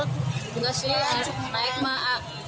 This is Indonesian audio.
tidak sih naik maat